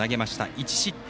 １失点。